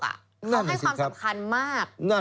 เขาให้ความสำคัญมาก